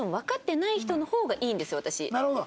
なるほど。